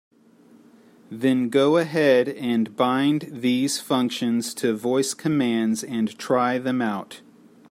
Then go ahead and bind these functions to voice commands and try them out.